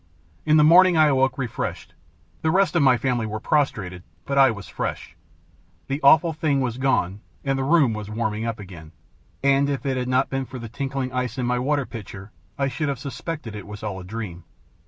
In the morning I awoke refreshed. The rest of my family were prostrated, but I was fresh. The Awful Thing was gone, and the room was warming up again; and if it had not been for the tinkling ice in my water pitcher, I should have suspected it was all a dream.